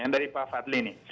yang dari pak fadli nih